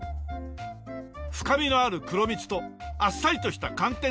深みのある黒蜜とあっさりとした寒天の相性も抜群。